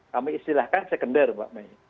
kami istilahkan sekender mbak may